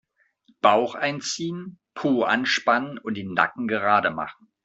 Bauch einziehen, Po anspannen und den Nacken gerade machen.